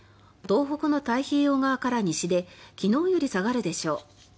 東北の太平洋側から西で昨日より下がるでしょう。